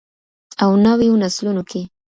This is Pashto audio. او نویو نسلونو کې.